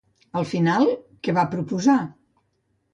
Al final, què va proposar?